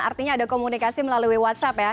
artinya ada komunikasi melalui whatsapp ya